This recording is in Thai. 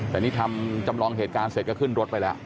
แต่นี่ทำจำลองเหตุการณ์เสร็จก็ขึ้นรถไปแล้ว